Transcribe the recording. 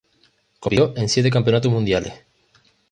Compitió en siete campeonatos mundiales.